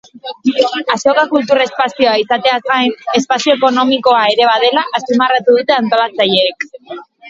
Azoka kultur espazioa izateaz gain, espazio ekonomikoa ere badela azpimarratu dute antolatzaileek.